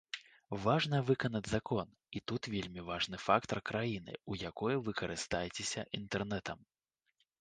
Важна выканаць закон, і тут вельмі важны фактар краіны, у якой вы карыстаецеся інтэрнэтам.